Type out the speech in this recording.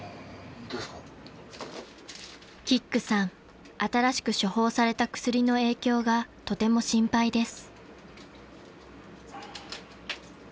［キックさん新しく処方された薬の影響がとても心配です］